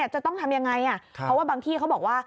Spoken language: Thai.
จะต้องทำยังไงเพราะว่าบางที่เขาบอกว่า